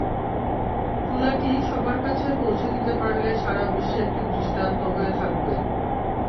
চুলাটি সবার কাছে পৌঁছে দিতে পারলে সারা বিশ্বে একটি দৃষ্টান্ত হয়ে থাকবে।